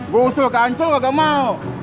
gue usul ke ancol gak gak mau